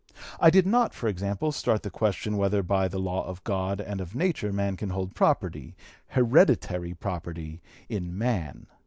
I did not, for example, start the question whether by the law of God and of nature man can hold property, HEREDITARY property, in man.